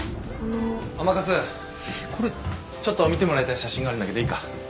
ちょっと見てもらいたい写真があるんだけどいいか？